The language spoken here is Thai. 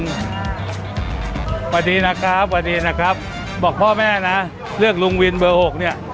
สวัสดีนะครับสวัสดีนะครับบอกพ่อแม่นะเลือกลุงวินเบอร์หกเนี่ย